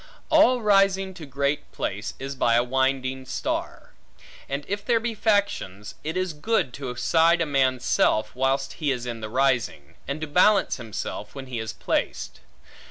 All rising to great place is by a winding star; and if there be factions, it is good to side a man's self, whilst he is in the rising, and to balance himself when he is placed.